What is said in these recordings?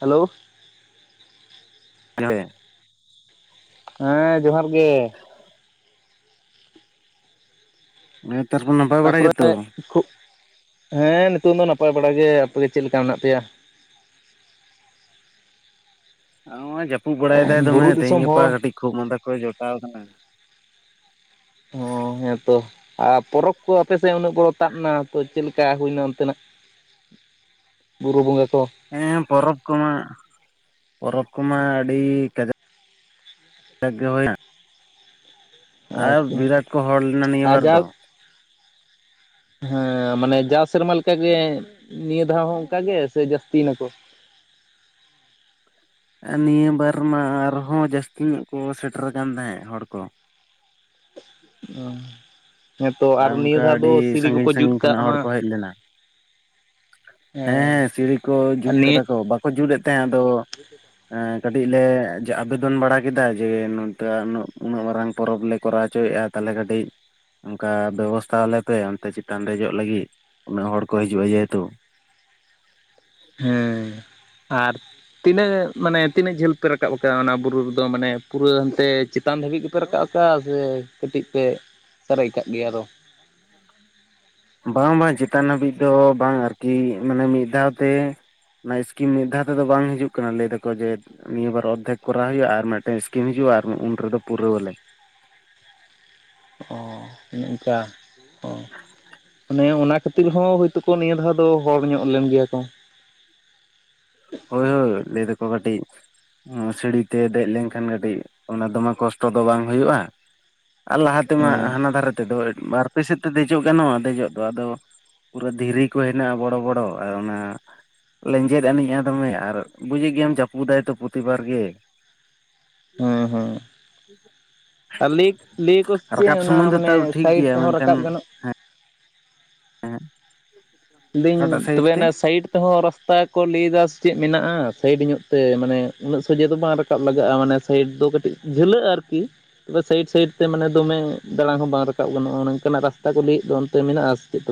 Hello. [inaudible] ᱦᱮᱸ ᱡᱚᱦᱟᱨ ᱜᱮ᱾ ᱱᱮᱛᱟᱨ ᱢᱟ ᱛᱟᱯᱚᱨᱮ, [unintelligible] ᱦᱮᱸ ᱱᱤᱛᱚᱜ ᱢᱟ ᱱᱟᱯᱟᱭ ᱵᱟᱲᱟ ᱜᱮ, ᱟᱯᱮ ᱜᱮ ᱪᱮᱫ ᱞᱮᱠᱟ ᱢᱮᱱᱟᱜ ᱯᱮᱭᱟ? ᱦᱚᱸᱜᱼᱚᱭ ᱡᱟᱹᱯᱩ ᱵᱟᱲᱟᱭᱮᱫᱟᱭ ᱫᱚᱢᱮ ᱵᱩᱨᱩ ᱛᱮᱦᱤᱧ ᱫᱤᱥᱚᱢ ᱜᱟᱯᱟ ᱦᱚᱲ ᱠᱟᱹᱴᱤᱡ ᱠᱷᱩᱜ ᱢᱟᱸᱫᱟ ᱠᱚᱭ ᱡᱚᱴᱟᱣ ᱠᱟᱱᱟ᱾ ᱚᱻ ᱦᱮᱸᱛᱚ ᱾ ᱟᱨ ᱯᱚᱨᱚᱵᱽ ᱠᱚ ᱟᱯᱮ ᱥᱮᱫ ᱩᱱᱟᱹᱜ ᱵᱚᱲᱚ ᱛᱟᱵᱱᱟ ᱛᱚ ᱪᱮᱫ ᱞᱮᱠᱟ ᱦᱩᱭᱱᱟ ᱚᱱᱛᱮᱱᱟᱜ? ᱵᱩᱨᱩ ᱵᱚᱸᱜᱟ ᱠᱚ᱾ ᱦᱮᱸ ᱯᱚᱨᱚᱵᱽ ᱠᱚᱢᱟ, ᱯᱚᱨᱚᱵᱽ ᱠᱚᱢᱟ ᱟᱹᱰᱤ ᱠᱟᱡᱟᱠ ᱠ ᱜᱮ ᱦᱳᱭᱱᱟ᱾ ᱟᱨ ᱟᱪᱪᱷᱟ ᱵᱤᱨᱟᱴ ᱠᱚ ᱦᱚᱲ ᱞᱮᱱᱟ ᱱᱤᱭᱟᱹ ᱟᱨ ᱵᱟᱨ ᱫᱚ᱾ [inaudible] ᱦᱮᱸ ᱢᱟᱱᱮ ᱡᱟᱣ ᱥᱮᱨᱢᱟ ᱞᱮᱠᱟ ᱜᱮ, ᱱᱤᱭᱟᱹ ᱫᱷᱟᱣ ᱦᱚᱸ ᱚᱝᱠᱟ ᱜᱮ ᱥᱮ ᱡᱟᱹᱥᱛᱤ ᱮᱱᱟᱠᱚ? ᱱᱤᱭᱟᱹ ᱵᱟᱨ ᱢᱟ ᱟᱨᱦᱚᱸ ᱡᱟᱹᱥᱛᱤ ᱧᱚᱜ ᱠᱚ ᱥᱮᱴᱮᱨ ᱟᱠᱟᱱ ᱛᱟᱦᱮᱸᱫ ᱦᱚᱲ ᱠᱚ᱾ ᱚ, ᱦᱮᱸ ᱛᱚ ᱟᱨ ᱱᱤᱭᱟᱹ ᱚᱱᱠᱟ ᱫᱷᱟᱣ ᱫᱚ ᱟᱹᱰᱤ ᱥᱤᱲᱤ ᱥᱟᱺᱜᱤᱧ ᱠᱚᱠᱚ ᱡᱩᱛ ᱥᱟᱺᱜᱤᱧ ᱠᱟᱜ ᱠᱷᱚᱱᱟᱜ ᱦᱚᱲ ᱢᱟ᱾ ᱠᱚ ᱦᱮᱡ ᱞᱮᱱᱟ᱾ ᱦᱮᱸ ᱥᱤᱲᱤ ᱠᱚ ᱟᱨ ᱡᱩᱛ ᱱᱤᱭᱟᱹ ᱠᱟᱫᱟ ᱠᱚ, ᱵᱟᱠᱚ ᱡᱩᱛᱮᱫ ᱛᱟᱦᱮᱸᱫ ᱟᱫᱚ ᱠᱟᱹᱴᱤᱡ ᱞᱮ ᱟᱵᱮᱫᱚᱱ ᱵᱟᱲᱟ ᱠᱮᱫᱟ ᱡᱮ ᱱᱚᱝᱠᱟ ᱩᱱᱟᱹᱜ ᱢᱟᱨᱟᱝ ᱯᱚᱨᱚᱵᱽ ᱞᱮ ᱠᱚᱨᱟᱣ ᱦᱚᱪᱚᱭᱮᱜ-ᱟ ᱛᱟᱦᱚᱞᱮ ᱠᱟᱹᱴᱤᱡ ᱚᱱᱠᱟ ᱵᱮᱵᱚᱥᱛᱷᱟ ᱟᱞᱮᱯᱮ ᱚᱱᱛᱮ ᱪᱮᱛᱟᱱ ᱨᱮ ᱫᱮᱡᱚᱜ ᱞᱟᱹᱜᱤᱫ, ᱩᱱᱟᱹᱜ ᱦᱚᱲ ᱠᱚ ᱦᱤᱡᱩᱜᱼᱟ ᱡᱮᱦᱮᱛᱩ᱾ ᱦᱮᱸ, ᱟᱨ ᱛᱤᱱᱟᱹᱜ ᱢᱟᱱᱮ ᱛᱤᱱᱟᱹᱜ ᱡᱷᱟᱹᱞ ᱯᱮ ᱨᱟᱠᱟᱵ ᱟᱠᱟᱜ-ᱟ, ᱚᱱᱟ ᱵᱩᱨᱩ ᱨᱮᱫᱚ ᱢᱟᱱᱮ ᱯᱩᱨᱟᱹ ᱦᱟᱱᱛᱮ ᱪᱮᱛᱟᱱ ᱫᱷᱟᱹᱵᱤᱡ ᱜᱮᱯᱮ ᱨᱟᱠᱟᱵ ᱟᱠᱟᱜ-ᱟ ᱥᱮ ᱠᱟᱹᱴᱤᱡ ᱯᱮ ᱥᱟᱨᱮᱡ ᱠᱟᱜ ᱜᱮᱭᱟ ᱟᱫᱚ? ᱵᱟᱝ ᱵᱟᱝ ᱪᱮᱛᱟᱱ ᱦᱟᱹᱵᱤᱡ ᱫᱚ ᱵᱟᱝ ᱟᱨᱠᱤ ᱢᱟᱱᱮ ᱢᱤᱫ ᱫᱷᱟᱣ ᱛᱮ ᱚᱱᱟ ᱤᱥᱠᱤᱢ ᱢᱤᱫ ᱫᱷᱟᱣ ᱛᱮᱫᱚ ᱵᱟᱝ ᱦᱤᱡᱩᱜ ᱠᱟᱱᱟ ᱞᱟᱹᱭ ᱮᱟᱠᱚ ᱡᱮ ᱱᱤᱭᱟᱹᱵᱟᱨ ᱚᱨᱫᱷᱮᱠ ᱠᱚᱨᱟᱣ ᱦᱩᱭᱩᱜᱼᱟ ᱟᱨ ᱢᱤᱫᱴᱮᱱ ᱥᱠᱤᱢ ᱦᱤᱡᱩᱜᱼᱟ ᱩᱱ ᱨᱮᱫᱚ ᱯᱩᱨᱟᱹᱣ ᱟᱞᱮ ᱾ ᱚ ᱚᱱᱮ ᱚᱱᱠᱟ ᱚᱸ ᱚᱱᱮ ᱚᱱᱟ ᱠᱷᱟᱹᱛᱤᱨ ᱦᱚᱸ ᱦᱚᱳᱭᱛᱳ ᱠᱚ ᱱᱤᱭᱟᱹ ᱫᱷᱟᱣ ᱫᱚ ᱦᱚᱲ ᱧᱚᱜ ᱞᱮᱱ ᱜᱮᱭᱟ ᱠᱚ ᱾ ᱦᱳᱭ ᱦᱳᱭ ᱞᱟᱹᱭᱮᱫ ᱠᱚ ᱠᱟᱹᱴᱤᱡ ᱥᱟᱹᱲᱤᱛᱮ ᱫᱮᱡ ᱞᱮᱱᱠᱷᱟᱱ ᱠᱟᱹᱴᱤᱡ ᱚᱱᱟ ᱫᱚᱢᱮ ᱠᱚᱥᱴᱚ ᱫᱚ ᱵᱟᱝ ᱦᱩᱭᱩᱜᱼᱟ ᱟᱨ ᱞᱟᱦᱟ ᱛᱮᱢᱟ ᱦᱮᱸ ᱦᱟᱱᱟ ᱫᱷᱟᱨᱮ ᱛᱮᱫᱚ ᱵᱟᱨ ᱯᱮ ᱥ ᱛᱮ ᱫᱚ ᱦᱤᱡᱩᱜ ᱜᱟᱱᱚᱜᱼᱟ ᱫᱮᱡᱚᱜ ᱜᱟᱱᱚᱜᱼᱟ ᱫᱮᱡᱚᱜ ᱫᱚ ᱟᱫᱚ ᱫᱷᱤᱨᱤ ᱠᱚ ᱦᱮᱱᱟᱜᱼᱟ ᱵᱚᱲᱚ ᱵᱚᱲᱚ ᱟᱨ ᱚᱱᱟ ᱞᱮᱸᱡᱮᱫ ᱟᱹᱱᱤᱡᱟ ᱫᱚᱢᱮ ᱟᱨ ᱵᱩᱡᱮᱫ ᱜᱮᱭᱟᱢ ᱪᱟᱯᱩ ᱫᱟᱭᱛᱚ ᱯᱨᱚᱛᱤᱵᱟᱨ ᱜᱮ ᱾ ᱦᱮᱸ ᱦᱮᱸ ᱾ ᱟᱨ ᱞᱤᱠ ᱞᱤᱠ ᱚᱥ ᱪᱮᱫ ᱨᱟᱠᱟᱵ ᱚᱱᱟ ᱥᱩᱢᱚᱭ ᱫᱚ ᱢᱟᱱᱮ ᱛᱟᱣ ᱴᱷᱤᱠ ᱥᱟᱭᱤᱰ ᱜᱮᱭᱟ ᱛᱮᱦᱚᱸ ᱨᱟᱠᱟᱵ ᱢᱮᱱᱠᱷᱟᱱ ᱜᱟᱱᱚᱜ ᱾ ᱞᱫᱟᱹᱧ ᱚᱠᱟᱴᱟᱜ ᱥᱟᱭᱤᱰ ᱛᱚᱵᱮ ᱛᱮ ᱮᱱᱟ ᱥᱟᱭᱤᱰ ᱛᱮᱦᱚᱸ ᱨᱟᱥᱛᱟ ᱠᱚ ᱞᱟᱹᱭᱮᱫᱟ ᱥᱮ ᱪᱮᱫ ᱢᱮᱱᱟᱜᱼᱟ ᱥᱟᱭᱤᱰ ᱧᱚᱜ ᱛᱮ ᱢᱟᱱᱮ ᱩᱱᱟᱹᱜ ᱥᱚᱡᱷᱮ ᱫᱚ ᱵᱟᱝ ᱨᱟᱠᱟᱵ ᱨᱟᱠᱟᱵ ᱞᱟᱜᱟᱜᱼᱟ ᱢᱟᱱᱮ ᱥᱟᱭᱤᱰ ᱫᱚ ᱠᱟᱹᱴᱤᱡ ᱡᱷᱟᱹᱞᱟᱹᱜᱼᱟ ᱟᱨᱠᱤ ᱛᱚᱵᱮ ᱥᱟᱭᱤᱰ ᱥᱟᱭᱤᱰ ᱛᱮ ᱢᱟᱱᱮ ᱫᱚᱢᱮ ᱫᱟᱬᱟᱱ ᱦᱚᱸ ᱨᱟᱠᱟᱵ ᱜᱟᱱᱚᱜᱼᱟ ᱱᱚᱝᱠᱟᱱᱟᱜ ᱨᱟᱥᱛᱟ ᱠᱚ ᱞᱟᱹᱭᱮᱫ ᱫᱚ ᱚᱱᱛᱮ ᱢᱮᱱᱟᱜᱼᱟ ᱥᱮ ᱪᱮᱫ?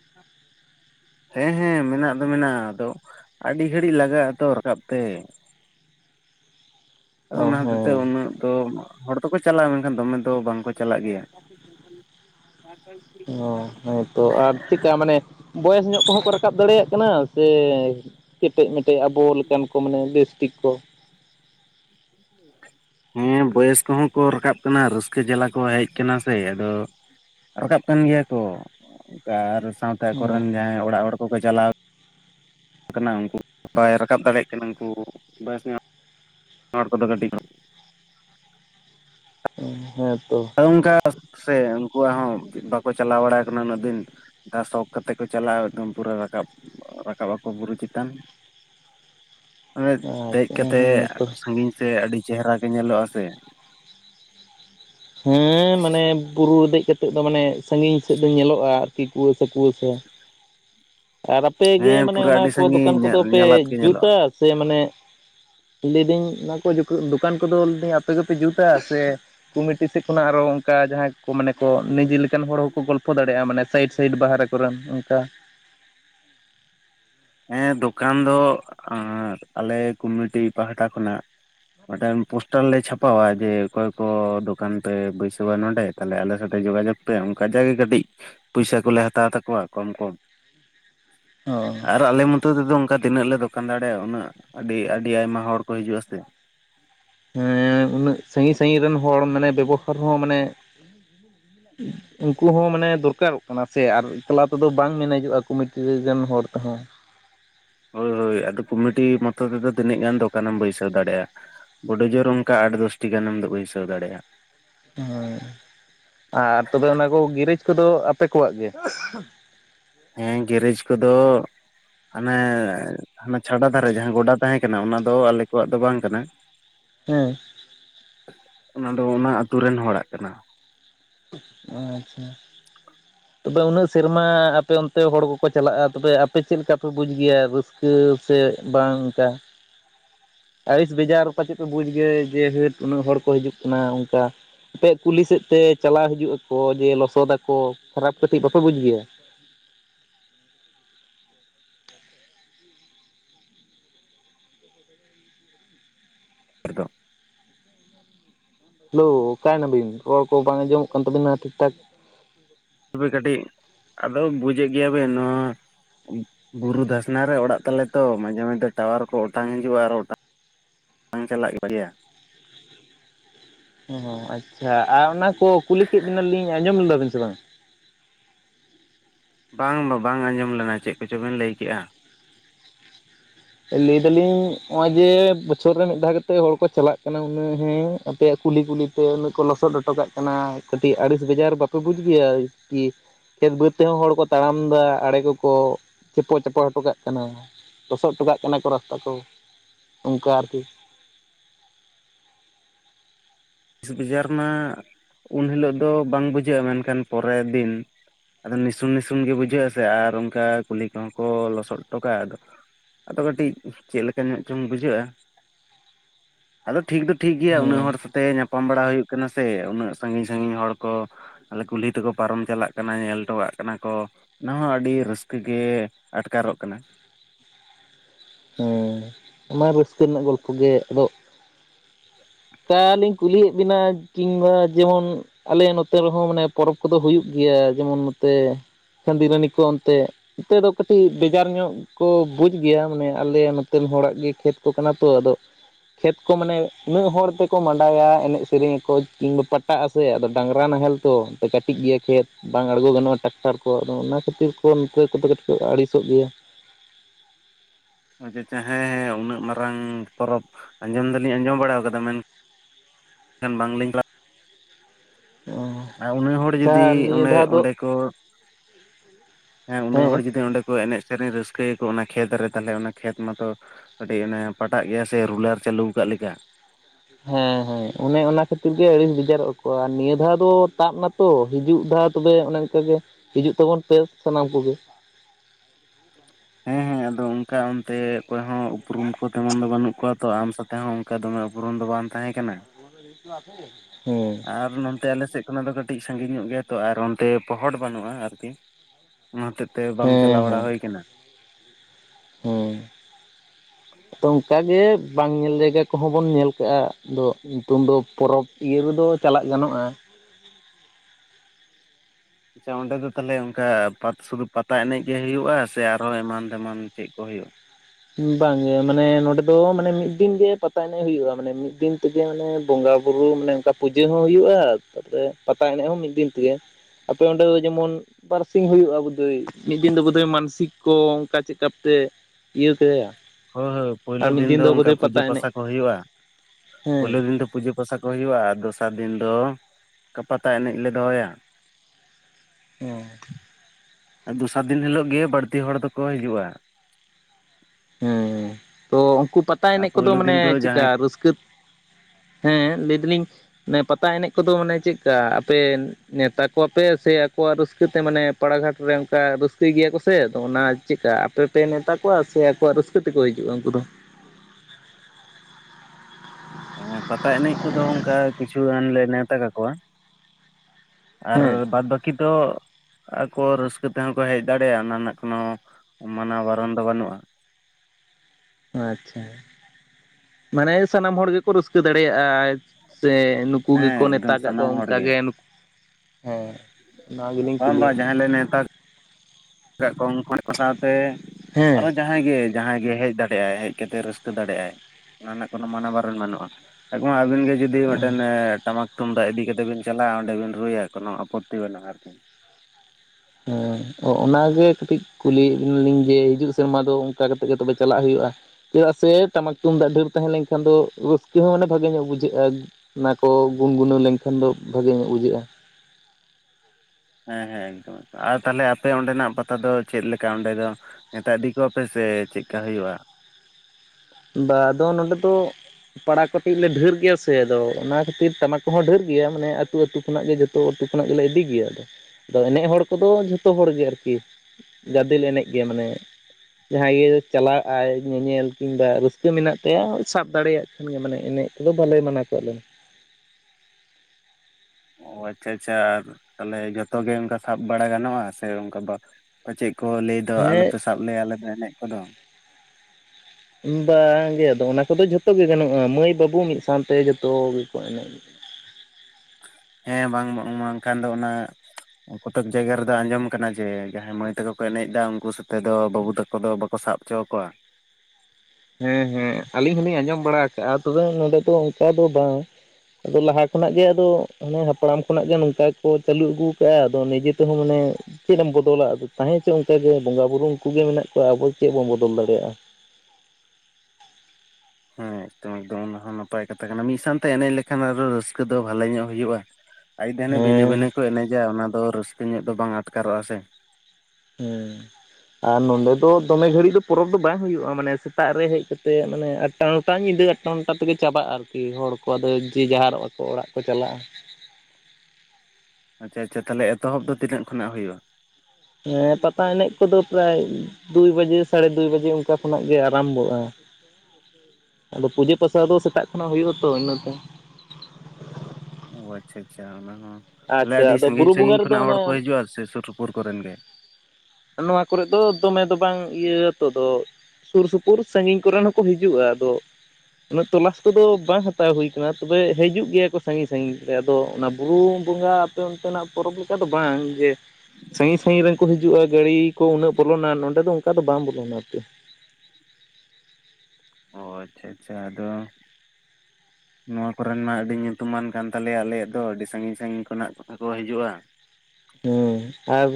[unintelligible] ᱦᱮᱸ ᱦᱮᱸ ᱢᱮᱱᱟᱜ ᱫᱚ ᱢᱮᱱᱟᱜᱼᱟ ᱟᱫᱚ ᱟᱹᱰᱤ ᱜᱷᱟᱹᱲᱤᱡ ᱞᱟᱜᱟᱜ ᱟᱛᱚ ᱨᱟᱠᱟᱵ ᱛᱮ ᱾ ᱟᱫᱚ ᱚ ᱱᱦᱟᱛᱮ ᱛᱮ ᱦᱮᱸ ᱩᱱᱟᱹᱜ ᱫᱚ ᱦᱚᱲ ᱫᱚᱠᱚ ᱪᱟᱞᱟᱜᱼᱟ ᱢᱮᱱᱠᱷᱟᱱ ᱫᱚᱢᱮ ᱫᱚ ᱵᱟᱝᱠᱚ ᱪᱟᱞᱟᱜ ᱜᱮᱭᱟ ᱾ ᱚ ᱦᱚᱭ ᱛᱚ ᱟᱨ ᱪᱤᱠᱟ ᱢᱟᱱᱮ ᱵᱚᱭᱮᱥ ᱧᱚᱜ ᱠᱚᱦᱚᱸ ᱠᱚ ᱨᱟᱠᱟᱵ ᱫᱟᱲᱮᱭᱟᱜ ᱠᱟᱱᱟ ᱥᱮ ᱠᱮᱴᱮᱡ ᱢᱮᱮᱴᱮᱡ ᱟᱵᱚ ᱞᱮᱠᱟᱱ ᱠᱚ ᱢᱟᱱᱮ ᱰᱮᱥᱴᱤᱠ ᱠᱚ [inaudible] ᱦᱮᱸ ᱵᱚᱭᱮᱥ ᱠᱚᱦᱚᱸ ᱠᱚ ᱨᱟᱠᱟᱵ ᱠᱟᱱᱟ ᱨᱟᱹᱥᱠᱟᱹ ᱡᱟᱞᱟ ᱠᱚ ᱦᱮᱡ ᱟᱠᱟᱱᱟ ᱥᱮ ᱟᱫᱚ ᱨᱟᱠᱟᱵ ᱠᱟᱱ ᱜᱮᱭᱟ ᱠᱚ ᱟᱨ ᱥᱟᱶᱛᱟ ᱦᱮᱸ ᱠᱚᱨᱮᱱ ᱡᱟᱦᱟᱸᱭ ᱚᱲᱟᱜ ᱦᱚᱲ ᱠᱚᱠᱚ ᱪᱟᱞᱟᱣ ᱠᱟᱱᱟ ᱩᱱᱠᱩ ᱵᱟᱭ ᱨᱟᱠᱟᱵ ᱫᱟᱲᱮᱭᱟᱜ ᱠᱟᱱᱟ ᱩᱱᱠᱩ ᱵᱚᱭᱚᱥ ᱧᱚᱜ ᱦᱚᱲ ᱠᱚᱫᱚ ᱠᱟᱹᱴᱤᱡ ᱜ ᱦᱮᱸ ᱛᱚ ᱾ ᱚᱱᱠᱟ ᱥᱮ ᱩᱱᱠᱩᱣᱟᱜ ᱦᱚᱸ ᱵᱟᱠᱚ ᱪᱟᱞᱟᱣ ᱵᱟᱲᱟ ᱟᱠᱟᱱᱟ ᱩᱱᱟᱹᱜ ᱫᱤᱱ ᱠᱟ ᱥᱚᱠ ᱠᱟᱛᱮᱮᱫ ᱠᱚ ᱪᱟᱞᱟᱜᱼᱟ ᱮᱠᱫᱚᱢ ᱯᱩᱨᱟᱹ ᱨᱟᱠᱟᱵ ᱨᱟᱠᱟᱵ ᱟᱠᱚ ᱵᱩᱨᱩ ᱪᱮᱛᱟᱱ ᱾ [inaudible] ᱫᱮᱡ ᱟᱪᱪᱷᱟ ᱠᱟᱛᱮ ᱦᱮᱸ ᱛᱚ ᱥᱟᱺᱜᱤᱧ ᱥ ᱟᱹᱰᱤ ᱪᱮᱦᱮᱨᱟ ᱜᱮ ᱧᱮᱞᱚᱜᱼᱟ ᱥᱮ ᱾ ᱦᱮᱸ ᱢᱟᱱᱮ ᱵᱩᱨᱩ ᱨᱮ ᱫᱮᱡ ᱠᱟᱛᱮ ᱱᱤᱛᱚᱜ ᱫᱚ ᱢᱟᱱᱮ ᱥᱟᱺᱜᱤᱧ ᱥᱮᱫ ᱫᱚ ᱧᱮᱞᱚᱜᱼᱟ ᱟᱨᱠᱤ ᱠᱩᱣᱟᱹᱥᱟ ᱠᱩᱣᱟᱹᱥ ᱟᱨ ᱟᱯᱮ ᱜᱮ ᱦᱮᱸ ᱢᱟᱱᱮ ᱯᱩᱨᱟᱹ ᱚᱱᱟ ᱟᱹᱰᱤ ᱠᱚ ᱥᱟᱺᱜᱤᱧ ᱫᱚᱠᱟᱱ ᱠᱚᱫᱚ ᱯᱮ ᱧᱟᱞᱟᱫ ᱜᱮ ᱧᱮᱞᱚᱜᱼᱟ ᱡᱩᱛᱟ ᱥᱮ ᱢᱟᱱᱮ ᱞᱟᱹᱭᱮᱫᱟᱹᱧ ᱚᱱᱟ ᱠᱚ ᱫᱚᱠᱟᱱ ᱠᱚᱫᱚ ᱞᱟᱹᱭᱫᱟᱹᱧ ᱟᱯᱮ ᱜᱮᱯᱮ ᱡᱩᱛᱟ ᱥᱮ ᱠᱚᱢᱤᱴᱤ ᱥᱮᱫ ᱠᱷᱚᱱᱟᱜ ᱟᱨᱚ ᱚᱱᱠᱟ ᱡᱟᱦᱟᱸ ᱠᱚ ᱢᱟᱱᱮ ᱠᱚ ᱱᱤᱡᱮ ᱞᱮᱠᱟᱱ ᱦᱚᱲ ᱦᱚᱸᱠᱚ ᱜᱚᱞᱯᱚ ᱫᱟᱲᱮᱭᱟᱜᱼᱟ ᱢᱟᱱᱮ ᱥᱟᱭᱤᱰ ᱥᱟᱭᱤᱰ ᱵᱟᱦᱟ ᱠᱚᱨᱮᱱ ᱚᱱᱠᱟ ᱾ ᱦᱮᱸ ᱫᱚᱠᱟᱱ ᱫᱚ ᱟᱞᱮ ᱠᱚᱢᱱᱤᱴᱤ ᱯᱟᱦᱴᱟ ᱠᱷᱚᱱᱟᱜ ᱢᱤᱫᱴᱮᱱ ᱯᱳᱥᱴᱟᱨ ᱞᱮ ᱪᱷᱟᱯᱟᱣᱟ ᱡᱮ ᱚᱠᱚᱭ ᱠᱚ ᱫᱚᱠᱟᱱ ᱯᱮ ᱵᱟᱹᱭᱥᱟᱹᱣᱟ ᱱᱚᱰᱮ ᱛᱟᱦᱚᱞᱮ ᱟᱞᱮ ᱥᱟᱛᱮ ᱡᱳᱜᱟᱡᱳᱜᱽ ᱯᱮ ᱚᱱᱠᱟ ᱡᱟᱜᱮ ᱠᱟᱹᱴᱤᱡ ᱯᱚᱭᱥᱟ ᱠᱚᱞᱮ ᱦᱟᱛᱟᱣ ᱛᱟᱠᱚᱣᱟ ᱠᱚᱢ ᱠᱚᱢ ᱾ ᱚ ᱾ ᱟᱞᱮ ᱢᱚᱛᱚ ᱛᱮᱫᱚ ᱚᱱᱠᱟ ᱛᱤᱱᱟᱹᱜ ᱞᱮ ᱫᱚᱠᱟᱱ ᱫᱟᱲᱮᱭᱟᱜᱼᱟ ᱩᱱᱟᱹᱜ ᱟᱹᱰᱤ ᱟᱹᱰᱤ ᱟᱭᱢᱟ ᱦᱚᱲ ᱠᱚ ᱦᱤᱡᱩᱜᱼᱟ ᱥᱮ ᱾ ᱦᱮᱸ ᱩᱱᱟᱹᱜ ᱥᱟᱺᱜᱤᱧ ᱥᱟᱺᱜᱤᱧ ᱨᱮᱱ ᱦᱚᱲ ᱢᱟᱱᱮ ᱵᱮᱵᱚᱦᱟᱨ ᱦᱚᱸ ᱢᱟᱱᱮ ᱩᱱᱠᱩ ᱦᱚᱸ ᱢᱟᱱᱮ ᱫᱚᱨᱠᱟᱨᱚᱜ ᱠᱟᱱᱟ ᱥᱮ ᱟᱨ ᱮᱠᱞᱟ ᱛᱮᱫᱚ ᱵᱟᱝ ᱢᱮᱱᱮᱡᱚᱜᱼᱟ ᱠᱚᱢᱤᱴᱤ ᱨᱮᱨᱮᱱ ᱦᱚᱲ ᱛᱮᱦᱚᱸ ᱾ ᱦᱳᱭ ᱦᱳᱭ ᱟᱫᱚ ᱠᱩᱢᱤᱴᱤ ᱢᱚᱛᱚ ᱛᱮᱫᱚ ᱛᱤᱱᱟᱹᱜ ᱜᱟᱱ ᱫᱚᱠᱟᱱᱮᱢ ᱵᱟᱹᱭᱥᱟᱹᱣ ᱫᱟᱲᱮᱭᱟᱜ-ᱟ ᱾ ᱵᱚᱰᱚ ᱡᱳᱨ ᱚᱱᱠᱟ ᱟᱴ ᱫᱚᱥᱴᱤ ᱜᱟᱱᱮᱢ ᱵᱟᱹᱭᱥᱟᱹ ᱫᱟᱲᱮᱭᱟᱜ-ᱟ ᱦᱳᱭ ᱟᱨ ᱛᱚᱵᱮ ᱚᱱᱟ ᱠᱚ ᱜᱮᱨᱮᱡ ᱠᱚᱫᱚ ᱟᱯᱮ ᱠᱚᱣᱟᱜ ᱜᱮ ᱦᱮᱸ ᱜᱮᱨᱮᱡ ᱠᱚᱫᱚ ᱦᱟᱱᱮ ᱦᱟᱱᱮ ᱪᱷᱟᱰᱟ ᱫᱷᱟᱨᱮ ᱡᱟᱦᱟᱸ ᱜᱚᱰᱟ ᱛᱟᱦᱮᱸ ᱠᱟᱱᱟ ᱚᱱᱟ ᱫᱚ ᱟᱞᱮ ᱠᱚᱣᱟᱜ ᱫᱚ ᱵᱟᱝ ᱠᱟᱱᱟ ᱦᱮᱸ ᱚᱱᱟ ᱫᱚ ᱚᱱᱟ ᱟᱛᱳ ᱨᱮᱱ ᱦᱚᱲᱟᱜ ᱠᱟᱱᱟ ᱟᱪᱪᱷᱟ ᱛᱚᱵᱮ ᱩᱱᱟᱹᱜ ᱥᱮᱨᱢᱟ ᱟᱯᱮ ᱚᱱᱛᱮ ᱦᱚᱲ ᱠᱚᱠᱚ ᱪᱟᱞᱟᱜ-ᱟ ᱛᱚᱵᱮ ᱟᱯᱮ ᱪᱮᱫ ᱞᱮᱠᱟ ᱯᱮ ᱵᱩᱡᱽ ᱜᱮᱭᱟ ᱨᱟᱹᱥᱼᱼ ᱠᱟᱹ ᱥᱮ ᱵᱟᱝ ᱚᱱᱠᱟ ᱟᱹᱲᱤᱥ ᱵᱟᱡᱟᱨ ᱚᱠᱟ ᱪᱮᱫ ᱯᱮ ᱵᱩᱡ ᱜᱮ ᱡᱮ ᱦᱟᱹᱴ ᱩᱱᱟᱹᱜ ᱦᱚᱲ ᱠᱚ ᱦᱤᱡᱩᱜ ᱠᱟᱱᱟ ᱚᱱᱠᱟ ᱟᱯᱮᱭᱟᱜ ᱠᱩᱞᱤ ᱥᱮᱫ ᱛᱮ ᱪᱟᱞᱟᱣ ᱦᱤᱡᱩᱜ ᱟᱠᱚ ᱡᱮ ᱞᱚᱥᱚᱫᱟᱠᱚ ᱠᱷᱟᱨᱟᱯ ᱠᱟᱹᱴᱤᱡ ᱵᱟᱯᱮ ᱵᱩᱡ ᱜᱮᱭᱟ ᱫᱚ ᱦᱮᱞᱳ ᱚᱠᱟᱭ ᱱᱟᱵᱤᱱ ᱨᱚᱲ ᱠᱚ ᱵᱟᱝ ᱟᱸᱡᱚᱢᱚᱜ ᱠᱟᱱ ᱛᱟᱵᱤᱱᱟ ᱴᱷᱤᱠ ᱴᱷᱟᱠ ᱛᱚᱵᱮ ᱠᱟᱹᱴᱤᱡ ᱟᱫᱚ ᱵᱩᱡᱮᱜ ᱜᱮᱭᱟᱵᱮᱱ ᱱᱚᱣᱟᱼᱼ [unintelligible] ᱵᱩᱨᱩ ᱫᱷᱟᱥᱱᱟ ᱨᱮ ᱚᱲᱟᱜ ᱛᱟᱞᱮ ᱛᱚ ᱢᱟᱡᱷᱮ ᱢᱚᱫᱫᱷᱮ ᱴᱟᱣᱟᱨ ᱠᱚ ᱚᱴᱟᱝ ᱦᱤᱡᱩᱜᱼᱟ ᱟᱨ ᱚᱴᱟᱝᱼᱼ ᱵᱟᱝ ᱪᱟᱞᱟᱜ ᱜᱮᱭᱟ ᱚ ᱟᱪᱪᱷᱟ ᱟᱨ ᱚᱱᱟ ᱠᱚ ᱠᱩᱞᱤ ᱠᱮᱫ ᱵᱤᱱᱟᱞᱤᱧ ᱟᱸᱡᱚᱢ ᱞᱮᱫᱟᱵᱤᱱ ᱥᱮ ᱵᱟᱝ ᱵᱟᱝ ᱵᱟ ᱵᱟᱝ ᱟᱸᱡᱚᱢ ᱞᱮᱱᱟ ᱪᱮᱫ ᱠᱚᱪᱚᱵᱮᱱ ᱞᱟᱹᱭ ᱠᱮᱜ-ᱟ ᱞᱟᱹᱭ ᱫᱟᱞᱤᱧ ᱦᱚᱜᱼᱚᱭ ᱡᱮ ᱵᱚᱪᱷᱚᱨᱮ ᱢᱤᱫ ᱫᱷᱟᱣ ᱠᱟᱛᱮ ᱦᱚᱲ ᱠᱚ ᱪᱟᱞᱟᱜ ᱠᱟᱱᱟ ᱩᱱᱟᱹᱜ ᱦᱮᱸ ᱟᱯᱮᱭᱟᱜ ᱠᱩᱞᱤ ᱠᱩᱞᱤᱼᱼ ᱛᱮ ᱩᱱᱟᱹᱜ ᱠᱚ ᱞᱚᱥᱚᱫ ᱦᱚᱴᱚ ᱠᱟᱜ ᱠᱟᱱᱟ ᱠᱟᱹᱴᱤᱡ ᱟᱹᱲᱤᱥ ᱵᱟᱡᱟᱨ ᱵᱟᱯᱮ ᱵᱩᱡ ᱜᱮᱭᱟ ᱟᱨᱠᱤ ᱠᱷᱮᱛ ᱵᱟᱹᱫᱽ ᱛᱮᱦᱚᱸ ᱦᱚᱲ ᱠᱚ ᱛᱟᱲᱟᱢ ᱫᱟ ᱟᱲᱮ ᱠᱚᱠᱚ ᱪᱮᱯᱚ ᱪᱮᱯᱚ ᱦᱚᱴᱚ ᱠᱟᱜ ᱠᱟᱱᱟ ᱞᱚᱥᱚᱫ ᱦᱚᱴᱚᱠᱟᱜ ᱠᱟᱱᱟ ᱠᱚ ᱨᱟᱥᱛᱟ ᱠᱚ ᱚᱱᱠᱟ ᱟᱨᱠᱤ [unintelligible] ᱵᱮᱡᱟᱨ ᱢᱟ ᱩᱱ ᱦᱤᱞᱳᱜ ᱫᱚ ᱵᱟᱝ ᱵᱩᱡᱷᱟᱹᱜ-ᱟ ᱢᱮᱱᱠᱷᱟᱱ ᱯᱚᱨᱮᱨ ᱫᱤᱱ ᱟᱫᱚ ᱱᱤᱥᱩᱱ ᱱᱤᱥᱩᱱ ᱜᱮ ᱵᱩᱡᱷᱟᱹᱜ ᱟᱥᱮ ᱟᱨ ᱚᱱᱠᱟ ᱠᱩᱞᱦᱤ ᱠᱚᱦᱚᱸ ᱠᱚ ᱞᱚᱥᱚᱫ ᱦᱚᱴᱚ ᱠᱟᱜ-ᱟ ᱟᱫᱚ ᱟᱫᱚ ᱠᱟᱹᱴᱤᱡ ᱪᱮᱫ ᱞᱮᱠᱟ ᱧᱚᱜ ᱪᱚᱝ ᱵᱩᱡᱷᱟᱹᱜ-ᱟ [inaudible] ᱟᱫᱚ ᱴᱷᱤᱠ ᱫᱚ ᱴᱷᱤᱠ ᱜᱮᱭᱟ ᱩᱱᱟᱹᱜ ᱦᱮᱸ ᱦᱚᱲ ᱥᱚᱛᱮ ᱧᱟᱯᱟᱢ ᱵᱟᱲᱟ ᱦᱩᱭᱩᱜ ᱠᱟᱱᱟ ᱥᱮ ᱩᱱᱟᱹᱜ ᱥᱟᱺᱜᱤᱧ ᱥᱟᱺᱜᱤᱧ ᱦᱚᱲ ᱠᱚ ᱟᱞᱮ ᱠᱩᱞᱦᱤ ᱛᱮᱠᱚ ᱯᱟᱨᱚᱢ ᱪᱟᱞᱟᱜ ᱠᱟᱱᱟ ᱧᱮᱞ ᱴᱷᱚ ᱠᱟᱜ ᱠᱟᱱᱟ ᱠᱚ ᱚᱱᱟ ᱦᱚᱸ ᱟᱹᱰᱤ ᱨᱟᱹᱥᱠᱟᱹ ᱜᱮ ᱟᱴᱠᱟᱨᱚᱜ ᱠᱟᱱᱟ ᱦᱩᱸ ᱚᱱᱟ ᱨᱟᱹᱥᱠᱟᱹ ᱨᱮᱱᱟᱜ ᱜᱚᱞᱯᱷᱚ ᱜᱮ ᱟᱫᱚ ᱛᱟᱣᱞᱤᱧ ᱠᱩᱞᱤᱭᱮᱫ ᱵᱤᱱᱟ ᱠᱤᱱᱵᱟ ᱡᱮᱢᱚᱱ ᱟᱞᱮᱭᱟᱜ ᱱᱚᱛᱮ ᱨᱮᱦᱚᱸ ᱢᱟᱱᱮ ᱯᱚᱨᱚᱵᱽ ᱠᱚᱫᱚ ᱦᱩᱭᱩᱜ ᱜᱮᱭᱟ ᱡᱮᱢᱚᱱ ᱱᱚᱛᱮ ᱠᱷᱺᱫᱤ ᱨᱟᱱᱤ ᱠᱚ ᱚᱱᱛᱮ ᱱᱤᱛᱮᱫ ᱫᱚ ᱠᱟᱹᱴᱤᱡ ᱵᱮᱡᱟᱨ ᱧᱚᱜ ᱠᱚ ᱵᱩᱡᱽ ᱜᱮᱭᱟ ᱢᱟᱱᱮ ᱟᱞᱮᱭᱟ ᱱᱚᱛᱮᱱ ᱦᱚᱲᱟᱜ ᱜᱮ ᱠᱷᱮᱛ ᱠᱚ ᱠᱟᱱᱟ ᱛᱚ ᱟᱫᱚ ᱠᱷᱮᱛ ᱠᱚ ᱢᱟᱱᱮ ᱩᱱᱟᱹᱜ ᱦᱚᱲ ᱛᱮᱠᱚ ᱢᱟᱸᱰᱟᱭᱟ ᱮᱱᱮᱡ ᱥᱮᱨᱮᱧ ᱟᱠᱚ ᱛᱤᱧ ᱵᱟᱯᱟᱠ ᱚᱴᱟᱜ-ᱟ ᱥᱮ ᱟᱫᱚ ᱰᱟᱝᱨᱟ ᱱᱟᱦᱮᱞ ᱛᱚ ᱟᱫᱚ ᱠᱟᱹᱴᱤᱡ ᱜᱮᱭᱟ ᱠᱷᱮᱛ ᱵᱟᱝ ᱟᱬᱜᱳ ᱜᱟᱱᱚᱜᱼᱟ ᱴᱟᱠᱴᱟᱨ ᱠᱚ ᱟᱫᱚ ᱚᱱᱟ ᱠᱷᱟᱹᱛᱤᱨ ᱠᱚ ᱱᱚᱛᱮ ᱠᱚᱫᱚ ᱠᱟᱹᱴᱤᱡ ᱠᱚ ᱟᱹᱲᱤᱥᱚᱜ ᱜᱮᱭᱟ [unintelligible] ᱦᱮᱸ ᱩᱱᱟᱹᱜ ᱢᱟᱨᱟᱝ ᱯᱚᱨᱚᱵᱽ ᱟᱸᱡᱚᱢ ᱫᱚᱞᱤᱧ ᱟᱸᱡᱚᱢ ᱵᱟᱲᱟᱣ ᱠᱟᱫᱟ ᱢᱮᱱᱼᱼ ᱢᱮᱱᱠᱷᱟᱱ ᱵᱟᱝᱞᱤᱧ [unintelligible] ᱚ ᱟᱨ ᱩᱱᱟᱹᱜ ᱟᱪᱪᱷᱟ ᱡᱩᱫᱤ ᱱᱤᱭᱟᱹ ᱚᱱᱮ ᱫᱷᱟᱣ ᱫᱚ ᱚᱸᱰᱮ ᱠᱚ ᱦᱮᱸ ᱩᱱᱟᱹᱜ ᱦᱚᱲ ᱡᱩᱫᱤ ᱚᱸᱰᱮ ᱠᱚ ᱮᱱᱮᱡ ᱥᱮᱨᱮᱧ ᱨᱟᱹᱥᱠᱟᱹᱭᱟ ᱠᱚ ᱚᱱᱟ ᱠᱷᱮᱛ ᱨᱮ ᱛᱟᱦᱞᱮ ᱠᱷᱮᱛ ᱢᱟᱛᱚ ᱠᱟᱹᱴᱤᱡ ᱚᱱᱮ ᱯᱟᱴᱟᱜ ᱜᱮᱭᱟ ᱥᱮ ᱨᱩᱞᱟᱨ ᱪᱟᱹᱞᱩ ᱟᱠᱟᱫ ᱞᱮᱠᱟ ᱦᱮᱸ ᱦᱮᱸ ᱚᱱᱮ ᱚᱱᱟ ᱠᱷᱟᱹᱛᱤᱨ ᱜᱮ ᱟᱹᱲᱤᱥ ᱵᱮᱡᱟᱨᱚᱜ ᱟᱠᱚ ᱟᱨ ᱱᱤᱭᱟᱹ ᱫᱷᱟᱣ ᱫᱚ ᱛᱟᱵ ᱱᱟ ᱛᱚ ᱦᱤᱡᱩᱜ ᱫᱷᱟᱣ ᱛᱚᱵᱮ ᱚᱱᱮ ᱚᱱᱠᱟᱜᱮ ᱦᱤᱡᱩᱜ ᱛᱟᱵᱚᱱ ᱯᱮ ᱥᱟᱱᱟᱢ ᱠᱚᱜᱮ ᱦᱮᱸ ᱦᱮᱸ ᱟᱫᱚ ᱚᱱᱠᱟ ᱚᱱᱛᱮ ᱚᱠᱚᱭ ᱦᱚᱸ ᱩᱯᱨᱩᱢ ᱠᱚ ᱛᱮᱢᱚᱱ ᱫᱚ ᱵᱟᱹᱱᱩᱜ ᱠᱚᱣᱟ ᱛᱚ ᱟᱢ ᱥᱟᱣᱼᱼ ᱚᱠᱟ ᱦᱚ ᱚᱱᱠᱟ ᱫᱚᱢᱮ ᱩᱯᱨᱩ ᱫᱚ ᱵᱟᱝ ᱛᱟᱦᱮᱸ ᱠᱟᱱᱟ ᱦᱩᱸ ᱾ ᱟᱨ ᱱᱚᱛᱮ ᱟᱞᱮ ᱥᱮᱜ ᱠᱷᱚᱱᱟᱜ ᱫᱚ ᱠᱟᱹᱴᱤᱡ ᱥᱟᱺᱜᱤᱧ ᱧᱚᱜ ᱜᱮᱭᱟ ᱛᱚ ᱟᱨ ᱚᱱᱛᱮ ᱯᱚᱦᱚᱴ ᱵᱟᱹᱱᱩᱜᱼᱟ ᱟᱨᱠᱤ᱾ ᱚᱱᱟ ᱦᱚᱛᱮ ᱛᱮ ᱵᱟᱝ ᱦᱮᱸ ᱪᱟᱞᱟᱣ ᱵᱟᱲᱟ ᱦᱩᱭ ᱠᱟᱱᱟ ᱾ ᱦᱩᱸ ᱾ ᱛᱚ ᱚᱱᱠᱟᱜᱮ ᱵᱟᱝ ᱧᱮᱞ ᱡᱟᱭᱜᱟ ᱠᱚᱦᱚᱸ ᱵᱚᱱ ᱧᱮᱞ ᱠᱟᱜᱼᱟ ᱫᱚ ᱧᱩᱛᱩᱢ ᱫᱚ ᱯᱚᱨᱚᱵ ᱾ ᱤᱭᱟᱹ ᱨᱮᱫᱚ ᱪᱟᱞᱟᱜ ᱜᱟᱱᱚᱜᱼᱟ ᱾ ᱟᱪᱪᱷᱟ ᱚᱸᱰᱮ ᱫᱚ ᱛᱟᱦᱚᱞᱮ ᱚᱱᱠᱟ ᱥᱩᱫᱷᱩ ᱯᱟᱛᱟ ᱮᱱᱮᱡ ᱜᱮ ᱦᱩᱭᱩᱜᱼᱟ ᱥᱮ ᱟᱨᱦᱚᱸ ᱮᱢᱟᱱ ᱫᱮᱢᱟᱱ ᱪᱮᱜ ᱠᱚ ᱦᱩᱭᱩᱜᱼᱟ? ᱵᱟᱝ ᱜᱮ ᱢᱟᱱᱮ ᱱᱚᱰᱮ ᱫᱚ ᱢᱟᱱᱮ ᱢᱤᱫ ᱫᱤᱱ ᱜᱮ ᱯᱟᱛᱟ ᱮᱱᱮᱡ ᱦᱩᱭᱩᱜᱼᱟ, ᱢᱟᱱᱮ ᱢᱤᱫ ᱫᱤᱱ ᱛᱮᱜᱮ ᱢᱟᱱᱮ ᱵᱚᱸᱜᱟ ᱵᱩᱨᱩ ᱢᱟᱱᱮ ᱚᱱᱠᱟ ᱯᱩᱡᱟᱹ ᱦᱚᱸ ᱦᱩᱭᱩᱜᱼᱟ ᱛᱟᱯᱚᱨᱮ ᱯᱟᱛᱟ ᱮᱱᱮᱡ ᱦᱚᱸ ᱢᱤᱫ ᱫᱤᱱ ᱛᱮᱜᱮ ᱟᱯᱮ ᱚᱸᱰᱮ ᱫᱚ ᱡᱮᱢᱚᱱ ᱵᱟᱨᱥᱤ ᱦᱩᱭᱩᱜᱼᱟ ᱵᱩᱫᱷᱚᱭ ᱢᱤᱫ ᱫᱤᱱ ᱫᱚ ᱵᱩᱫᱷᱚᱭ ᱢᱟᱱᱥᱤᱠ ᱠᱚ ᱚᱱᱠᱟ ᱪᱮᱠᱟ ᱯᱮ [unintelligible] ᱦᱳᱭ ᱦᱳ ᱟᱨ ᱯᱳᱭᱞᱳ ᱢᱤᱫ ᱫᱤᱱ ᱫᱚ ᱚᱱᱠᱟ ᱵᱳᱫᱷᱚᱭ ᱯᱟᱛᱟ ᱯᱩᱡᱟᱹ ᱯᱟᱥᱟ ᱮᱱᱮᱡ ᱠᱚ ᱦᱩᱭᱩᱜᱼᱟ, ᱯᱳᱞᱳ ᱦᱮᱸ ᱫᱤᱱ ᱫᱚ ᱯᱩᱡᱟᱹ ᱯᱟᱥᱟ ᱠᱚ ᱦᱩᱭᱩᱜᱼᱟ ᱟᱨ ᱫᱚᱥᱟᱨ ᱫᱤᱱ ᱫᱚ ᱯᱟᱛᱟ ᱮᱱᱮᱡ ᱞᱮ ᱫᱚᱦᱚᱭᱟ ᱾ [inaudible] ᱫᱚᱥᱟᱨ ᱫᱤᱱ ᱦᱤᱞᱳᱜ ᱜᱮ ᱵᱟᱹᱲᱛᱤ ᱦᱚᱲ ᱫᱚᱠᱚ ᱦᱤᱡᱩᱜᱼᱟ ᱾ ᱦᱮᱸ ᱛᱚ ᱩᱱᱠᱩ ᱯᱟᱛᱟ ᱟᱨ ᱮᱱᱮᱡ ᱠᱚᱫᱚ ᱯᱳᱭᱞᱳ ᱢᱟᱱᱮ ᱫᱤᱱ ᱫᱚ ᱪᱮᱜᱠᱟ ᱡᱟᱦᱟᱸᱭ ᱨᱟᱹᱥᱠᱟᱹ ᱦᱮᱸ ᱞᱟᱹᱭ ᱫᱟᱞᱤᱧ ᱚᱱᱮ ᱯᱟᱛᱟ ᱮᱱᱮᱡ ᱠᱚᱫᱚ ᱢᱟᱱᱮ ᱪᱮᱫᱠᱟ ᱟᱯᱮ ᱱᱮᱶᱛᱟ ᱠᱚᱣᱟᱯᱮ ᱥᱮ ᱟᱠᱚᱣᱟᱜ ᱨᱟᱹᱥᱠᱟᱹ ᱛᱮ ᱢᱟᱱᱮ ᱯᱟᱲᱟᱜᱷᱟᱴ ᱨᱮ ᱚᱱᱠᱟ ᱨᱟᱹᱥᱠᱟᱹᱭ ᱜᱮᱭᱟ ᱠᱚ ᱥᱮ ᱟᱫᱚ ᱚᱱᱟ ᱪᱮᱜᱠᱟ ᱟᱯᱮ ᱯᱮ ᱱᱮᱣᱛᱟ ᱠᱚᱣᱟ ᱥᱮ ᱟᱠᱚᱣᱟᱜ ᱨᱟᱹᱥᱠᱟᱹ ᱛᱮᱠᱚ ᱦᱤᱡᱩᱜᱼᱟ ᱩᱱᱠᱩ ᱫᱚ? ᱦᱮᱸ ᱯᱟᱛᱟ ᱮᱱᱮᱡ ᱠᱚᱫᱚ ᱚᱱᱠᱟ ᱠᱤᱪᱷᱩ ᱜᱟᱱ ᱞᱮ ᱱᱮᱣᱛᱟ ᱠᱟᱠᱚᱣᱟ᱾ ᱟᱨ ᱦᱮᱸ ᱵᱟᱫᱽ ᱵᱟᱹᱠᱤ ᱫᱚ ᱟᱠᱚ ᱨᱟᱹᱥᱠᱟᱹ ᱛᱮᱦᱚᱸ ᱠᱚ ᱦᱮᱡ ᱫᱟᱲᱮᱭᱟᱜᱼᱟ ᱚᱱᱟ ᱨᱮᱱᱟᱜ ᱠᱳᱱᱚ ᱢᱟᱱᱟ ᱵᱟᱨᱚᱱ ᱫᱚ ᱵᱟᱹᱱᱩᱜᱼᱟ᱾ ᱟᱪᱪᱷᱟ ᱾ ᱢᱟᱱᱮ ᱥᱟᱱᱟᱢ ᱦᱚᱲ ᱜᱮᱠᱚ ᱨᱟᱹᱥᱠᱟᱹ ᱫᱟᱲᱮᱭᱟᱜᱼᱟ ᱥᱮ ᱱᱠᱩ ᱦᱮᱸ ᱜᱮᱠᱚ ᱱᱮᱛᱟ ᱮᱠᱫᱚᱢ ᱠᱟᱜ ᱥᱟᱱᱟᱢ ᱠᱚᱣᱟ ᱦᱚᱲ ᱚᱱᱠᱟ ᱜᱮ ᱱᱩ ᱦᱮᱸ ᱾ ᱵᱟᱝ ᱵᱟᱝ ᱡᱟᱦᱟᱸᱭ ᱞᱮ ᱱᱮᱣᱛᱟ ᱠᱚᱜ ᱠᱚᱣᱟ ᱩᱱᱠᱩ ᱥᱟᱶᱛᱮ ᱦᱮᱸ ᱾ ᱡᱟᱦᱟᱸᱭ ᱜᱮ ᱡᱟᱦᱟᱸᱭ ᱜᱮ ᱦᱮᱡ ᱫᱟᱲᱮ ᱟᱭ ᱦᱮᱡ ᱠᱟᱛᱮ ᱨᱟᱹᱥᱠᱟᱹ ᱫᱟᱲᱮ ᱟᱭ ᱾ ᱚᱱᱟ ᱨᱮᱱᱟᱜ ᱠᱳᱱᱳ ᱢᱟᱱᱟ ᱵᱟᱨᱚᱱ ᱵᱟᱹᱱᱩᱜᱼᱟ ᱥᱟᱵ ᱠᱟᱜ ᱢᱮ ᱟᱵᱤᱱ ᱜᱮ ᱡᱩᱫᱤ ᱦᱮᱸ ᱢᱮᱫᱴᱮᱱ ᱮ ᱴᱟᱢᱟᱠ ᱛᱩᱢᱫᱟᱜ ᱤᱫᱤ ᱠᱟᱛᱮᱜ ᱵᱤᱱ ᱪᱟᱞᱟᱜᱼᱟ ᱚᱸᱰᱮ ᱵᱤᱱ ᱨᱩᱭᱟ ᱠᱳᱚᱱᱳ ᱟᱯᱚᱛᱛᱤ ᱵᱟᱹᱱᱩᱜᱼᱟ ᱟᱨᱠᱤ᱾ ᱦᱮᱸ ᱚ ᱚᱱᱟᱜᱮ ᱠᱟᱹᱴᱤᱡ ᱠᱩᱞᱤᱭᱮᱜ ᱵᱮᱱᱟᱞᱤᱧ ᱡᱮ ᱦᱤᱡᱩᱜ ᱥᱮᱨᱢᱟ ᱫᱚ ᱚᱱᱠᱟ ᱠᱟᱛᱮᱜ ᱜᱮ ᱛᱚᱵᱮ ᱪᱟᱞᱟᱜ ᱦᱩᱭᱩᱜᱼᱟ᱾ ᱪᱮᱫᱟᱜ ᱥᱮ ᱴᱟᱢᱟᱠ ᱛᱩᱢᱫᱟᱜ ᱰᱷᱮᱨ ᱛᱟᱦᱮᱸ ᱞᱮᱱᱠᱷᱟᱱ ᱫᱚ ᱨᱟᱹᱥᱠᱟᱹ ᱦᱚᱸ ᱢᱟᱱᱮ ᱵᱷᱟᱜᱮ ᱧᱚᱜ ᱵᱩᱡᱷᱟᱹᱜᱼᱟ᱾ ᱚᱱᱟᱠᱚ ᱜᱩᱱ ᱜᱩᱱᱟᱹᱣ ᱞᱮᱱᱠᱷᱟᱱ ᱫᱚ ᱵᱷᱟᱜᱮ ᱧᱚᱜ ᱵᱩᱡᱷᱟᱹᱜᱼᱟ ᱾ ᱦᱮᱸ ᱦᱮᱸ ᱮᱠᱫᱚᱢ ᱮᱠᱫᱚᱢ ᱟᱨ ᱛᱟᱦᱚᱞᱮ ᱟᱯᱮ ᱚᱸᱰᱮᱱᱟᱜ ᱯᱟᱛᱟ ᱫᱚ ᱪᱮᱫ ᱞᱮᱠᱟ ᱚᱸᱰᱮ ᱫᱚ ᱾ ᱱᱮᱣᱛᱟ ᱤᱫᱤ ᱠᱚᱣᱟᱯᱮ ᱥᱮ ᱪᱮᱜᱠᱟ ᱦᱩᱭᱩᱜᱼᱟ ᱾ ᱵᱟ ᱟᱫᱚ ᱱᱚᱸᱰᱮ ᱫᱚ ᱯᱟᱲᱟ ᱠᱚᱴᱤᱡ ᱞᱮ ᱰᱷᱮᱨ ᱜᱮᱭᱟ ᱥᱮ ᱟᱫᱚ ᱚᱱᱟ ᱠᱷᱟᱹᱛᱤᱨ ᱴᱟᱢᱟᱠ ᱦᱚᱸ ᱰᱷᱮᱨ ᱜᱮᱭᱟ ᱢᱟᱱᱮ ᱟᱹᱛᱩ ᱟᱹᱛᱩ ᱠᱷᱚᱱᱟᱜ ᱜᱮ ᱡᱚᱛᱚ ᱟᱹᱛᱩ ᱠᱷᱚᱱᱟᱜ ᱜᱮᱞᱮ ᱤᱫᱤ ᱜᱮᱭᱟ, ᱟᱫᱚ ᱮᱱᱮᱡ ᱦᱚᱲ ᱠᱚᱫᱚ ᱡᱷᱚᱛᱚ ᱦᱚᱲᱜᱮ ᱟᱨᱠᱤ᱾ ᱜᱟᱫᱮᱞ ᱮᱱᱮᱡ ᱜᱮ ᱢᱟᱱᱮ ᱡᱟᱦᱟᱸᱭ ᱜᱮ ᱪᱟᱞᱟᱜᱼᱟᱭ ᱧᱮᱧᱮᱞ ᱠᱤᱝᱵᱟ ᱨᱟᱹᱥᱠᱟᱹ ᱢᱮᱱᱟᱜ ᱛᱟᱭᱟ ᱥᱟᱵ ᱫᱟᱲᱮᱭᱟᱜ ᱠᱷᱟᱱ ᱜᱮ ᱢᱟᱱᱮ ᱮᱱᱮᱡ ᱛᱮᱫᱚ ᱵᱟᱞᱮ ᱢᱟᱱᱟ ᱠᱚᱣᱟ ᱟᱞᱮ ᱫᱚ ᱾ ᱚ ᱟᱪᱪᱷᱟ ᱟᱪᱪᱷᱟ ᱟᱨ ᱛᱟᱦᱚᱞᱮ ᱡᱚᱛᱚ ᱜᱮ ᱚᱱᱠᱟ ᱥᱟᱵ ᱵᱟᱲᱟ ᱜᱟᱱᱚᱜᱼᱟ, ᱥᱮ ᱚᱱᱠᱟ ᱯᱟᱪᱷᱮ ᱠᱚ ᱞᱟᱹᱭ ᱫᱚ ᱦᱮᱸ ᱟᱞᱚᱯᱮ ᱥᱟᱵ ᱞᱮᱭᱟ ᱟᱞᱮ ᱫᱚ ᱮᱱᱮᱡ ᱠᱚᱫᱚ᱾ ᱵᱟᱝᱜᱮ ᱟᱫᱚ ᱚᱱᱟ ᱠᱚᱫᱚ ᱡᱷᱚᱛᱚ ᱜᱮ ᱜᱟᱱᱚᱜᱼᱟ ᱢᱟᱹᱭ ᱵᱟᱹᱵᱩ ᱢᱤᱜ ᱥᱟᱶᱛᱮ ᱡᱚᱛᱚ ᱜᱮᱠᱚ ᱮᱱᱮᱡ ᱦᱮᱸ ᱵᱟᱝ ᱵᱟᱝ ᱵᱟᱝᱠᱷᱟᱱ ᱫᱚ ᱚᱱᱟ ᱠᱚᱛᱮᱠ ᱡᱟᱭᱜᱟ ᱨᱮᱫᱚ ᱟᱸᱡᱚᱢ ᱠᱟᱱᱟ ᱡᱮ ᱡᱟᱦᱟᱸᱭ ᱢᱟᱹᱭ ᱛᱟᱠᱚ ᱮᱱᱮᱡ ᱮᱫᱟ ᱩᱱᱠᱩ ᱥᱟᱛᱮ ᱫᱚ ᱵᱟᱹᱵᱩ ᱛᱠᱚ ᱫᱚ ᱵᱟᱠᱚ ᱥᱟᱵ ᱪᱚᱶ ᱠᱚᱣᱟ ᱦᱮᱸ ᱦᱮᱸ ᱟᱞᱤᱧ ᱦᱚᱞᱤᱧ ᱟᱸᱡᱚᱢ ᱵᱟᱲᱟ ᱟᱠᱟᱜᱼᱟ ᱛᱚᱵᱮ ᱱᱚᱰᱮ ᱫᱚ ᱚᱱᱠᱟ ᱫᱚ ᱵᱟᱝ ᱟᱫᱚ ᱞᱟᱦᱟ ᱠᱷᱚᱱᱟᱜ ᱜᱮ ᱟᱫᱚ ᱟᱱᱮ ᱦᱟᱯᱲᱟᱢ ᱠᱷᱚᱱᱟᱜ ᱜᱮ ᱱᱚᱝᱠᱟ ᱜᱮ ᱠᱚ ᱪᱟᱹᱞᱩ ᱟᱹᱜᱩ ᱟᱠᱟᱟᱜᱼᱟ ᱟᱫᱚ ᱱᱤᱡᱮ ᱛᱮᱦᱚᱸ ᱢᱟᱱᱮᱼᱼ ᱪᱮᱫ ᱮᱢ ᱵᱚᱫᱚᱞᱟ ᱟᱫᱚ ᱛᱟᱦᱮᱸ ᱪᱚ ᱚᱱᱠᱟᱜᱮ ᱵᱚᱸᱜᱟ ᱵᱩᱨᱩ ᱩᱱᱠᱩᱜᱮ ᱢᱮᱱᱟᱜ ᱠᱚᱣᱟ ᱟᱵᱚ ᱪᱮᱫ ᱵᱚᱱ ᱵᱚᱫᱚᱞ ᱫᱟᱲᱮᱭᱟᱜᱼᱟ᱾ ᱦᱮᱸ ᱮᱠᱫᱚᱢ ᱮᱠᱫᱚᱢ ᱚᱱᱟᱦᱚ ᱱᱟᱯᱟᱭ ᱠᱟᱛᱷᱟ ᱠᱟᱱᱟ ᱢᱤᱫ ᱥᱟᱶᱛᱮ ᱮᱱᱮᱡ ᱞᱮᱠᱷᱟᱱ ᱟᱨᱚ ᱨᱟᱹᱥᱠᱟᱹ ᱫᱚ ᱵᱷᱟᱞᱮ ᱧᱚᱜ ᱦᱩᱭᱩᱜᱼᱟ᱾ ᱟᱡᱫᱟᱱᱮ ᱵᱷᱤᱱᱟᱹ ᱦᱮᱸ ᱵᱷᱤᱱᱟᱹ ᱠᱚ ᱮᱱᱮᱡᱟ ᱚᱱᱟ ᱫᱚ ᱨᱟᱹᱥᱠᱟᱹ ᱧᱚᱜ ᱫᱚ ᱵᱟᱝ ᱟᱴᱠᱟᱨᱚᱜᱼᱟ ᱥᱮ ᱦᱮᱸ ᱟᱨ ᱱᱚᱰᱮ ᱫᱚ ᱫᱚᱢᱮ ᱜᱷᱟᱹᱲᱤᱡ ᱫᱚ ᱯᱚᱨᱚᱵᱽ ᱫᱚ ᱵᱟᱝ ᱦᱩᱭᱩᱜᱼᱟ ᱢᱟᱱᱮ ᱥᱮᱛᱟᱜ ᱨᱮ ᱦᱮᱡ ᱠᱟᱛᱮ ᱢᱟᱱᱮ ᱟ ᱟᱴ ᱱᱚᱴᱟ ᱧᱤᱫᱟᱹ ᱟᱴ ᱱᱚᱴᱟ ᱛᱮᱜᱮ ᱪᱟᱵᱟᱜᱼᱟ ᱟᱨᱠᱤ ᱦᱚᱲ ᱟᱫᱚ ᱡᱮ ᱡᱟᱦᱟᱨᱚᱜᱼᱟ ᱚᱲᱟᱜ ᱠᱚ ᱪᱟᱞᱟᱜᱼᱟ᱾ ᱟᱪᱪᱷᱟ ᱟᱪᱷᱟ ᱛᱟᱦᱚᱞ ᱮᱚᱦᱚᱵ ᱫᱚ ᱛᱤᱱᱟᱹ ᱠᱷᱚᱱᱟᱜ ᱦᱩᱭᱩᱜᱼᱟ, ᱦᱮᱸ ᱯᱟᱛᱟ ᱮᱱᱮᱡ ᱠᱚᱫᱚ ᱯᱨᱟᱭ ᱫᱩᱭ ᱵᱟᱡᱮ ᱥᱟᱨᱮ ᱫᱩᱭ ᱵᱟᱡᱮ ᱚᱱᱠᱟ ᱠᱷᱚᱱᱟᱜ ᱜᱮ ᱟᱨᱟᱢᱵᱷᱚᱜᱼᱟ, ᱟᱫᱚ ᱯᱩᱡᱟᱹ ᱯᱟᱥᱟ ᱫᱚ ᱥᱮᱛᱟᱜ ᱠᱷᱚᱱᱟᱜ ᱦᱩᱭᱩᱜ ᱟᱛᱚ ᱤᱱᱟᱹᱛᱮ ᱚ ᱟᱪᱪᱷᱟ ᱟᱪᱪᱷᱟ ᱚᱱᱟ ᱦᱚᱸ ᱛᱟᱦᱚᱞᱮ ᱟᱪᱪᱷᱟ ᱟᱹᱰᱤ ᱟᱫᱚ ᱥᱟᱺᱜᱤᱧ ᱵᱩᱨᱩ ᱵᱚᱸᱜᱟ ᱥᱟᱺᱜᱤᱧ ᱨᱮᱫᱚ ᱠᱷᱚᱱᱟᱜ ᱦᱚᱲ ᱠᱚ ᱢᱟᱱᱮ ᱦᱤᱡᱩᱜᱼᱟ ᱥᱮ ᱥᱩᱨ ᱥᱩᱯᱩᱨ ᱠᱚᱨᱮᱱ ᱜᱮ᱾ ᱱᱚᱣᱟ ᱠᱚᱨᱮᱫ ᱫᱚ ᱫᱚᱢᱮ ᱫᱚ ᱵᱟᱝ ᱤᱭᱟᱹ ᱛᱚ ᱫᱚ ᱥᱩᱨ ᱥᱩᱯᱩᱨ ᱥᱟᱺᱜᱤᱧ ᱠᱚᱨᱮᱱ ᱦᱚᱸᱠᱚ ᱦᱤᱡᱩᱜᱼᱟ ᱟᱫᱚᱼᱼ ᱩᱱᱟᱹᱜ ᱛᱚᱞᱟᱥ ᱠᱚᱫᱚ ᱵᱟᱝ ᱦᱟᱛᱟᱣ ᱦᱩᱭᱟᱱᱟ ᱛᱚᱵᱮ ᱦᱤᱡᱩᱜ ᱜᱮᱭᱟᱠᱚ ᱥᱟᱺᱜᱤᱧ ᱥᱟᱺᱜᱤᱧ ᱟᱫᱚ ᱚᱱᱟ ᱵᱩᱨᱩ ᱵᱚᱸᱜᱟ ᱟᱯᱮ ᱚᱱᱛᱮᱱᱟᱜ ᱯᱚᱨᱚᱵᱽ ᱞᱮᱠᱟ ᱫᱚ ᱵᱟᱝ ᱡᱮᱼᱼ ᱥᱟᱺᱜᱤᱧ ᱥᱟᱺᱜᱤᱧ ᱨᱮᱱ ᱠᱚ ᱦᱤᱡᱩᱜᱼᱟ ᱜᱟᱹᱲᱤ ᱠᱚ ᱩᱱᱟᱹᱜ ᱵᱚᱞᱚᱱᱟ ᱱᱚᱸᱰᱮ ᱫᱚ ᱚᱱᱠᱟ ᱫᱚ ᱵᱟᱝ ᱵᱚᱞᱚᱱᱟ ᱟᱨᱠᱤ᱾ ᱚ ᱟᱪᱪᱷᱟ ᱟᱪᱪᱷᱟ ᱟᱫᱚ [inaudible] ᱱᱚᱣᱟ ᱠᱚᱨᱮᱱ ᱢᱟ ᱟᱹᱰᱤ ᱧᱩᱛᱩᱢᱟᱱ ᱠᱟᱱ ᱛᱟᱞᱮᱭᱟ ᱟᱞᱮᱭᱟᱜ ᱫᱚ ᱟᱹᱰᱤ ᱥᱟᱺᱜᱤᱧ ᱥᱟᱺᱜᱤᱧ ᱠᱷᱚᱱᱟᱜ ᱠᱚ ᱦᱤᱡᱩᱜᱼᱟ᱾ ᱦᱮᱸ ᱟᱨ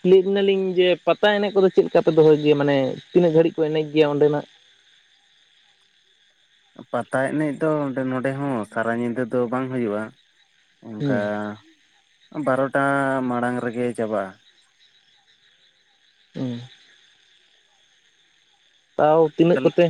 ᱠᱩᱞᱤᱠᱟᱱᱟᱞᱤᱧ ᱡᱮ ᱯᱟᱛᱟ ᱮᱱᱮᱡ ᱠᱚᱫᱚ ᱪᱮᱫ ᱞᱮᱠᱟᱯᱮ ᱫᱚᱦᱚᱭ ᱜᱮᱭᱟ ᱢᱟᱱᱮ ᱛᱤᱱᱟᱹᱜ ᱜᱷᱟᱹᱲᱤᱡ ᱠᱚ ᱮᱱᱮᱡ ᱜᱮᱭᱟ ᱚᱸᱰᱮᱱᱟᱜ ᱯᱟᱛᱟ ᱮᱱᱮᱡ ᱫᱚ ᱱᱚᱰᱮ ᱦᱚᱸ ᱥᱟᱨᱟ ᱧᱤᱫᱟᱹ ᱫᱚ ᱵᱟᱝ ᱦᱩᱭᱩᱜᱼᱟ ᱦᱩᱸ ᱚᱱᱠᱟ ᱵᱟᱨᱚᱴᱟ ᱢᱟᱲᱟᱝ ᱨᱮᱜᱮ ᱪᱟᱵᱟᱜᱼᱟ᱾ ᱚ ᱛᱟᱣ ᱛᱤᱱᱟᱹᱜ ᱛᱟᱦᱚᱞᱮ ᱠᱚᱛᱮ?